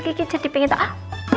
kiki jadi pengen tuh